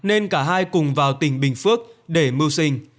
nên cả hai cùng vào tỉnh bình phước để mưu sinh